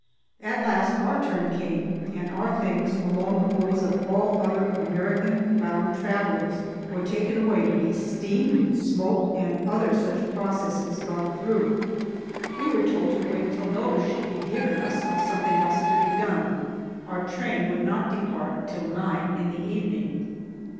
At last our turn came, and our things, along with those of all other American bound travellers, were taken away to be steamed and smoked and other such processes gone through. We were told to wait till notice should be given us of something else to be done. Our train would not depart till nine in the evening.